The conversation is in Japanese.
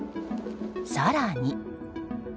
更に。